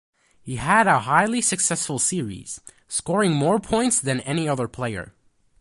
He had a highly successful series, scoring more points than any other player.